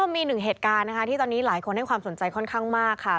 มีหนึ่งเหตุการณ์นะคะที่ตอนนี้หลายคนให้ความสนใจค่อนข้างมากค่ะ